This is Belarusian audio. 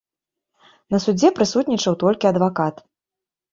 На судзе прысутнічаў толькі адвакат.